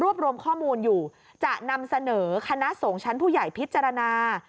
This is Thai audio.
รวมข้อมูลอยู่จะนำเสนอคณะสงฆ์ชั้นผู้ใหญ่พิจารณา